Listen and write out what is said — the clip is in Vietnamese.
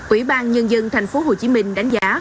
ủy ban nhân dân tp hcm đánh giá